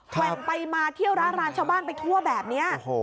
แว่งไปมาเที่ยวร้านชาวบ้านไปทั่วแบบนี้